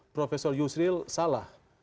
profesor yusril salah